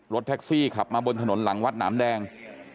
แท็กซี่ขับมาบนถนนหลังวัดหนามแดง